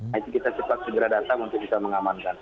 jadi kita cepat segera datang untuk bisa mengamankan